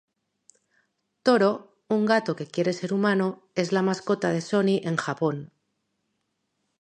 Toro, un gato que quiere ser humano, es la mascota de Sony en Japón.